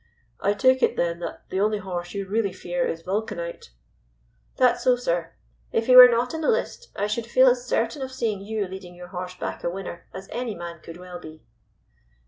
"I take it, then, that the only horse you really fear is Vulcanite?" "That's so, sir. If he were not in the list, I should feel as certain of seeing you leading your horse back a winner as any man could well be."